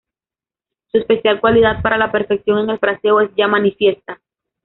Su especial cualidad para la perfección en el fraseo es ya manifiesta.